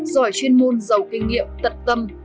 giỏi chuyên môn giàu kinh nghiệm tật tâm